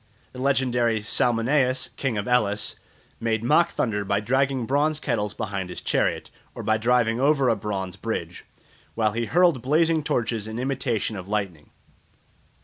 The legendary Salmoneus, King of Elis, made mock thunder by dragging bronze kettles behind his chariot, or by driving over a bronze bridge, while he hurled blazing torches in imitation of lightning.